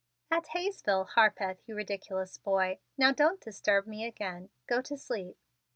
"At Hayesville, Harpeth, you ridiculous boy. Now don't disturb me again. Go to sleep."